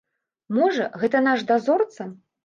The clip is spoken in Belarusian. Можа, гэта наш дазорца?